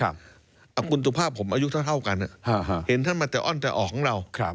คุณสุภาพผมอายุเท่ากันเห็นท่านมาแต่อ้อนแต่ออกของเรา